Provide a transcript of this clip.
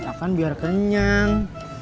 ya kan biar kenyang